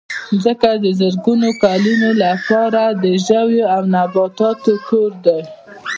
مځکه د زرګونو کلونو لپاره د ژوو او نباتاتو کور دی.